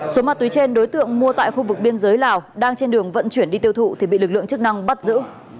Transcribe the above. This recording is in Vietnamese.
số ma túy trên đối tượng mua tại khu vực biên giới lào đang trên đường vận chuyển đi tiêu thụ thì bị lực lượng chức năng bắt giữ